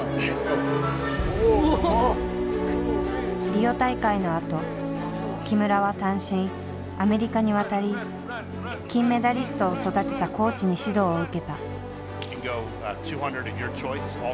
リオ大会のあと木村は単身アメリカに渡り金メダリストを育てたコーチに指導を受けた。